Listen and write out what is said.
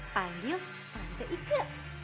panggil tante ice